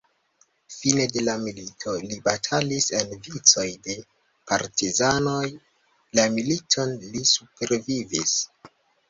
Fine de la milito li batalis en vicoj de partizanoj.. La militon li supervivis.